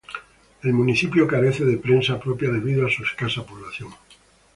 El municipio carece de prensa propia debido a su escasa población.